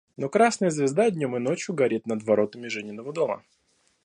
Но красная звезда днем и ночью горит над воротами Жениного дома.